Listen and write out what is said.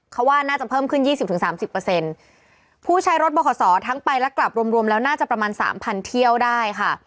เขาว่าน่าจะเพิ่มขึ้น๒๐๓๐ผู้ใช้รถบขสอทั้งไปและกลับรวมแล้วน่าจะประมาณ๓๐๐๐เที่ยวได้ค่ะ